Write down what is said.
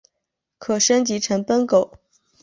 可升级成奔狗。